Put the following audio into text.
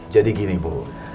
jadi gini ibu